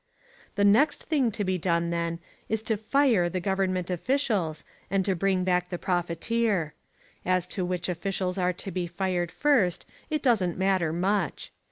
The next thing to be done, then, is to "fire" the government officials and to bring back the profiteer. As to which officials are to be fired first it doesn't matter much.